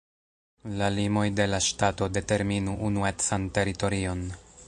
La limoj de la ŝtato determinu unuecan teritorion.